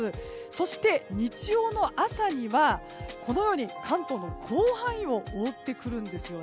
そして、日曜の朝には関東の広範囲を覆ってくるんです。